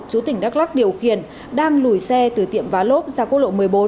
chú tỉnh đắk lắc điều khiển đang lùi xe từ tiệm vá lốp ra quốc lộ một mươi bốn